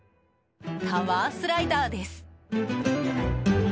タワースライダーです。